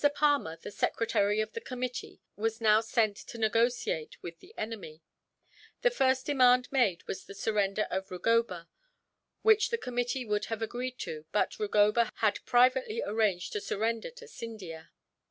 Palmer, the secretary of the committee, was now sent to negotiate with the enemy. The first demand made was the surrender of Rugoba; which the committee would have agreed to, but Rugoba had privately arranged to surrender to Scindia.